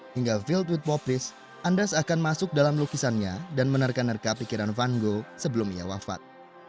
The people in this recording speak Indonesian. hingga filled with poplis anda seakan masuk dalam lukisannya dan menerka nerka pikiran van gogh sebelum ia wafat